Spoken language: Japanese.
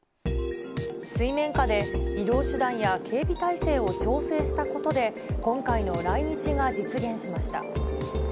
水面下で移動手段や警備態勢を調整したことで、今回の来日が実現しました。